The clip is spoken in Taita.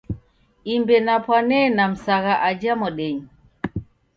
Imbe napwanee na Msagha aja modenyi.